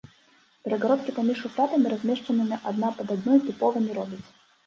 Перагародкі паміж шуфлядамі, размешчанымі адна пад адной, тыпова не робяць.